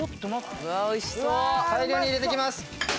大量に入れていきます。